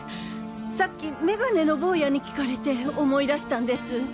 さっきメガネのボウヤに聞かれて思い出したんです。